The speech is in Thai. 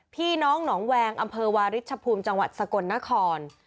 พี่น้องหนองแวงอำเภอวาริชภูมิจังหวัดสกลนคร